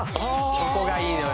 そこがいいのよ